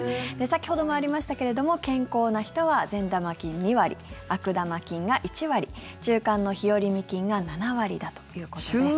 先ほどもありましたけれども健康な人は善玉菌、２割悪玉菌が１割中間の日和見菌が７割だということです。